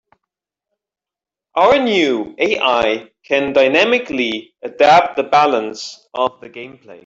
Our new AI can dynamically adapt the balance of the gameplay.